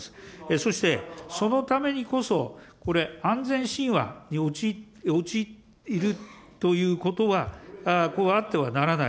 そしてそのためにこそ、これ、安全神話に陥るということは、あってはならない。